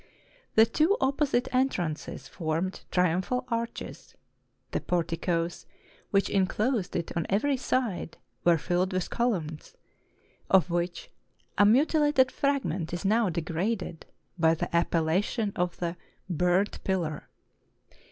The two opposite entrances formed triumphal arches; the porticoes, which inclosed it on every side, were filled with columns, of which a mutilated fragment is now degraded by the appellation of the burnt pillar.